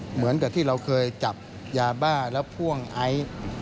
เหมือนกับที่เราเคยจับยาบ้าแล้วพ่วงไอซ์